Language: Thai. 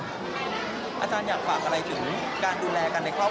อเจมติอาจารย์อยากฝากอะไรถึงการดูแลกันในครอง